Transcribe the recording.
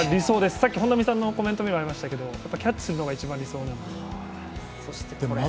先ほど、本並さんのコメントにもありましたがやっぱりキャッチするのが一番理想なので。